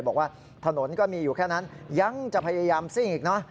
บอกว่าถนนก็มีอยู่แค่นั้นยังจะพยายามซิ่งอีกเนอะ